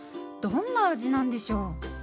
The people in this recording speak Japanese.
どんな味なんでしょう。